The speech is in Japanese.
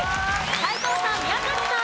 斎藤さん宮崎さん